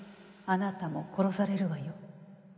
あなたも殺されるわよ。